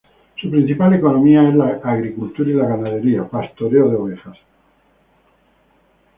Su principal economía es la agricultura y la ganadería: pastoreo de ovejas.